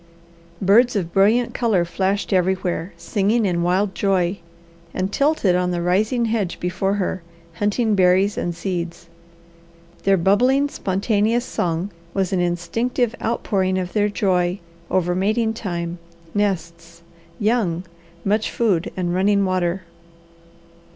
Birds of brilliant colour flashed everywhere, singing in wild joy, and tilted on the rising hedge before her, hunting berries and seeds. Their bubbling, spontaneous song was an instinctive outpouring of their joy over mating time, nests, young, much food, and running water.